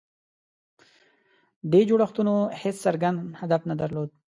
دې جوړښتونو هېڅ څرګند هدف نه درلود.